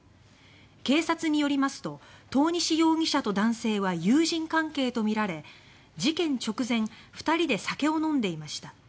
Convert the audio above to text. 警察によりますと遠西容疑者と男性は友人関係とみられ事件直前２人で酒を飲んでいました。